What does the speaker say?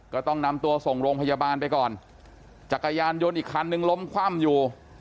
ก็ต้องนำตัวส่งโรงพยาบาลไปก่อนจักรยานยนต์อีกคันนึงล้มคว่ำอยู่